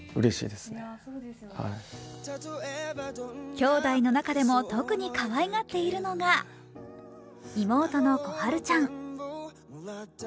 きょうだいの中でも特にかわいがっているのが妹の心春ちゃん。